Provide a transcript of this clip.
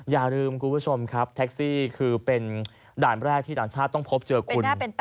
อย่าลืมคุณผู้ชมครับแท็กซี่คือเป็นด่านแรกที่ต่างชาติต้องพบเจอคุณ